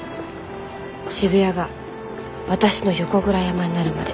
渋谷が私の横倉山になるまで。